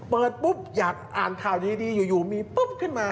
เปิดปุ๊บอยากอ่านข่าวดีอยู่มีปุ๊บขึ้นมา